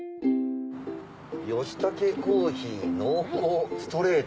ヨシタケコーヒー濃厚ストレート